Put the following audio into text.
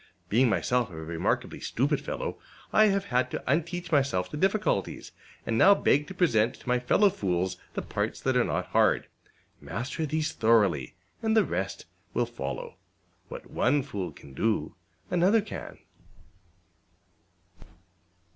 Being myself a remarkably stupid fellow, I have had to unteach myself the difficulties, and now beg to present to my fellow fools the parts that are not hard. Master these thoroughly, and the rest will follow. What one fool can do, another can.